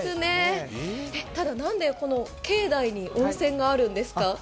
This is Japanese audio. ただ、何でこの境内に温泉があるんですか？